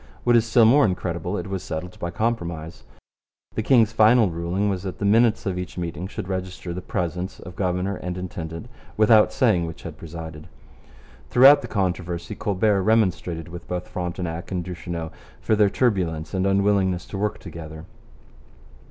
What is still more incredible, it was settled by compromise. The king's final ruling was that the minutes of each meeting should register the presence of governor and intendant without saying which had presided. Throughout the controversy Colbert remonstrated with both Frontenac and Duchesneau for their turbulence and unwillingness to work together.